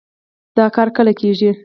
دا کار کله کېږي؟